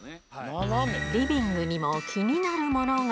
リビングにも気になるものが。